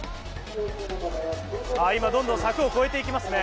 今どんどん柵を越えていきますね。